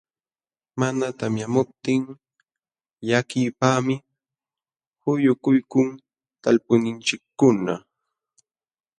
Mana tamyamuptin llakiypaqmi quyukuykun talpuyninchikkuna.